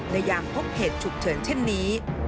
ยามพบเหตุฉุกเฉินเช่นนี้